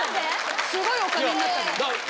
すごいお金になったの？